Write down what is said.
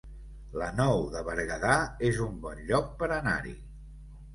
La Nou de Berguedà es un bon lloc per anar-hi